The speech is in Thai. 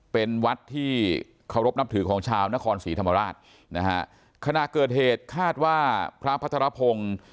เป็นวัดที่เคารพนับถือของชาวนครศรีธรรมราชนะฮะขณะเกิดเหตุคาดว่าพระพัทรพงศ์